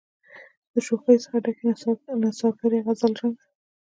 د شوخیو څخه ډکي نڅاګرې غزل رنګه